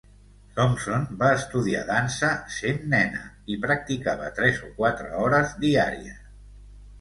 Thompson va estudiar dansa sent nena, i practicava tres o quatre hores diàries.